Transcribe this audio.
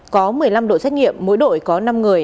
có một mươi năm đội xét nghiệm mỗi đội có năm người